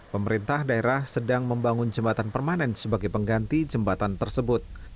pemerintah daerah sedang membangun jembatan permanen sebagai pengganti jembatan tersebut